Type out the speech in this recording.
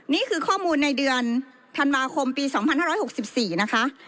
นี่คือข้อมูลในเดือนธันวาคมปี๒๕๖๔นะคะ